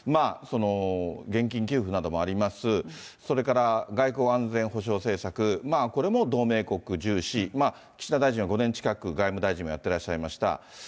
現金給付などもあります、それから外交安全保障政策、まあこれも同盟国重視、岸田大臣は５年近く、外務大臣をやってらっしゃいました。